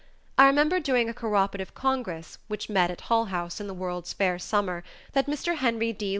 I remember during a cooperative congress, which met at Hull House in the World's Fair summer that Mr. Henry D.